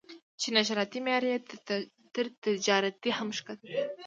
چې نشراتي معیار یې تر تجارتي هم ښکته دی.